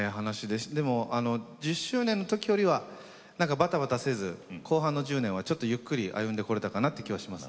でも１０周年の時よりはばたばたせず後半の１０年はちょっとゆっくり歩んでこれたかなって気はします。